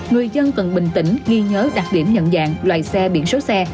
người dân cần bình tĩnh ghi nhớ đặc điểm nhận dạng loại xe biển số xe